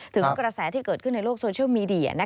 กระแสที่เกิดขึ้นในโลกโซเชียลมีเดีย